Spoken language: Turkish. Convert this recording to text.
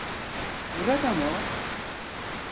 Burada mı o?